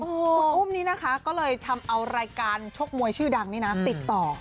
คุณอุ้มนี่นะคะก็เลยทำเอารายการชกมวยชื่อดังนี่นะติดต่อ